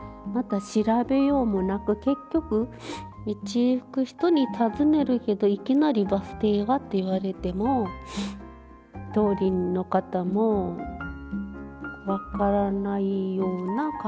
調べようもなく結局道行く人に尋ねるけどいきなりバス停はって言われても通りの方も分からないような感じを書いてますね。